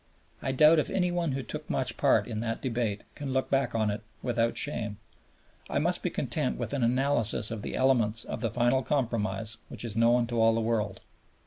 I doubt if any one who took much part in that debate can look back on it without shame. I must be content with an analysis of the elements of the final compromise which is known to all the world.